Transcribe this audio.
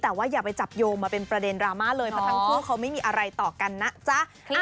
แต่ว่าอย่าไปจับโยงมาเป็นประเด็นดราม่าเลยเพราะทั้งคู่เขาไม่มีอะไรต่อกันนะจ๊ะ